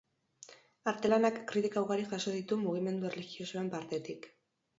Artelanak kritika ugari jaso ditu mugimendu erlijiosoen partetik.